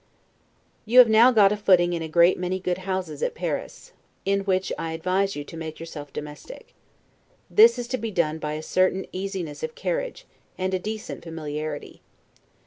You have now got a footing in a great many good houses at Paris, in which I advise you to make yourself domestic. This is to be done by a certain easiness of carriage, and a decent familiarity.